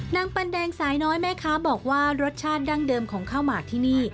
ปันแดงสายน้อยแม่ค้าบอกว่ารสชาติดั้งเดิมของข้าวหมากที่นี่